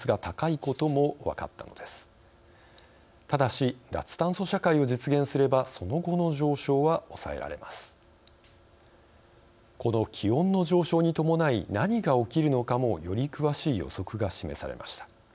この気温の上昇に伴い何が起きるのかもより詳しい予測が示されました。